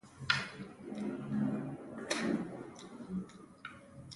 د انجینر لومړی مسؤلیت د خلکو خوندیتوب دی.